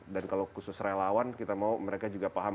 dan kalau khusus relawan kita mau mereka juga paham